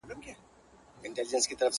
پر خره يوه لپه اوربشي ډېري دي.